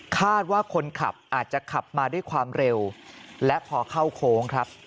คาดว่าคนขับอาจจะขับมาด้วยความเร็วและพอเข้าโค้งครับ